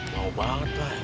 mau banget lah